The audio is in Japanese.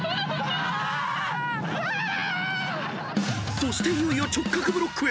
［そしていよいよ直角ブロックへ。